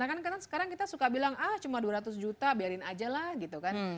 karena sekarang kita suka bilang ah cuma dua ratus juta biarin aja lah gitu kan